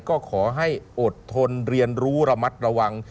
ก็ขอให้อดทนเรียนรู้ระมัดระวัง